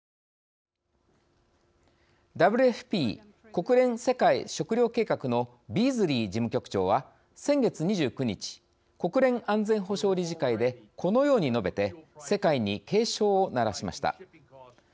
ＷＦＰ＝国連世界食糧計画のビーズリー事務局長は先月２９日国連安全保障理事会でこのように述べて世界に警鐘を鳴らしました。